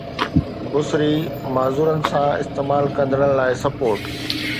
بصري معذورن سان استعمال ڪندڙن لاءِ سپورٽ